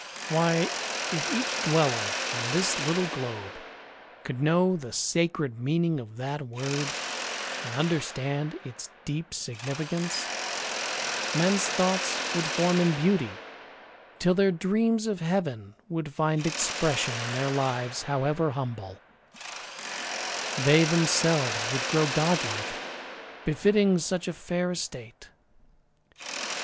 Why, if each dweller on this little globe Could know the sacred meaning of that word And understand its deep significance, Men's thoughts would form in beauty, till their dreams Of heaven would find expression in their lives, However humble; they themselves would grow Godlike, befitting such a fair estate.